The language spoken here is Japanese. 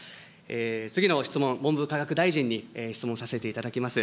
次の質問、文部科学大臣に質問させていただきます。